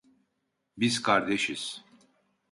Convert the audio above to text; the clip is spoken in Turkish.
Biz kardeşiz.